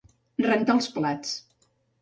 Rentar els plats.